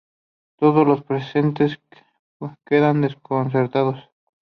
Todos los presentes quedan desconcertados.